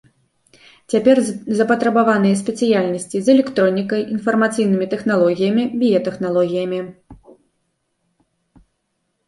Цяпер запатрабаваныя спецыяльнасці з электронікай, інфармацыйнымі тэхналогіямі, біятэхналогіямі.